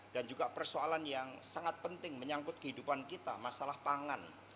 dan juga persoalan yang sangat penting menyangkut kehidupan kita masalah pangan